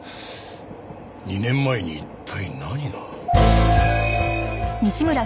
２年前に一体何が。